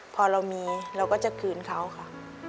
พอเรามีเราก็จะคืนเขาค่ะ